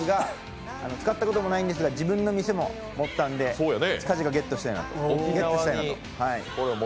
使ったこともないのですが、自分の店も持ったので近々ゲットしたいなと。